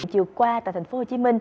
chiều qua tại tp hcm